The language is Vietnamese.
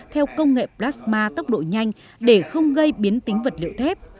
theo công nghệ plasma tốc độ nhanh để không gây biến tính vật liệu thép